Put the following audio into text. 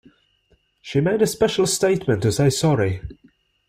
She made a special statement to say sorry